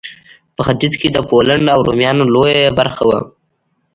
په ختیځ کې د پولنډ او رومانیا لویه برخه وه.